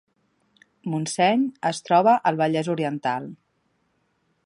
Montseny es troba al Vallès Oriental